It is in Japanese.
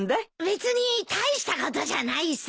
別に大したことじゃないさ。